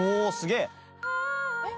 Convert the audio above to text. えっ？